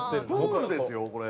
プールですよこれ。